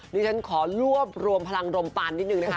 ดิฉันขอรวบรวมพลังรมปานนิดนึงนะคะ